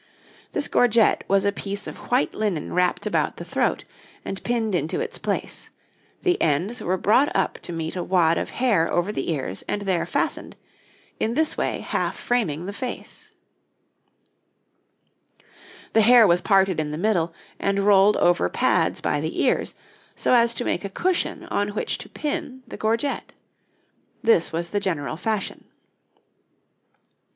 This gorget was a piece of white linen wrapped about the throat, and pinned into its place; the ends were brought up to meet a wad of hair over the ears and there fastened, in this way half framing the face. [Illustration: {Four types of hairstyle and head dresses for women}] The hair was parted in the middle, and rolled over pads by the ears, so as to make a cushion on which to pin the gorget. This was the general fashion.